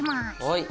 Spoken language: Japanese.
はい。